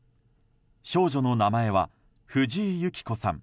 少女の名前は藤井幸子さん